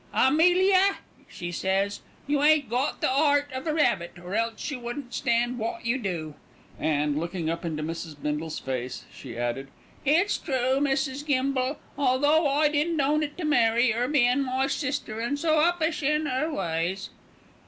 'Amelia,' she says, 'you ain't got the 'eart of a rabbit, or else you wouldn't stand wot you do,'" and, looking up into Mrs. Bindle's face, she added, "It's true, Mrs. Gimble, although I didn't own it to Mary, 'er bein' my sister an' so uppish in 'er ways."